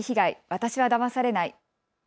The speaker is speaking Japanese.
私はだまされない。